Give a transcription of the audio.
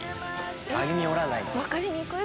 歩み寄らない。